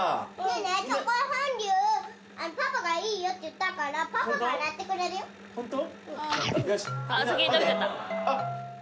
えチョコフォンデュパパがいいよって言ったからパパが洗ってくれるよホント？